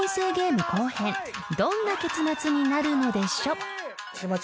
［どんな結末になるのでしょう？］